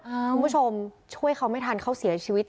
คุณผู้ชมช่วยเขาไม่ทันเขาเสียชีวิต